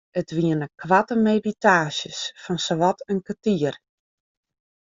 It wiene koarte meditaasjes fan sawat in kertier.